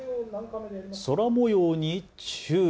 空もように注意。